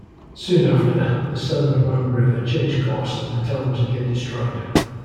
Soon after, the San Juan River changed course and the town was again destroyed.